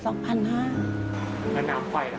แล้วน้ำไฟล่ะครับ